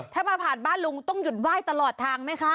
ถ้ามาผ่านบ้านลุงต้องหยุดไหว้ตลอดทางไหมคะ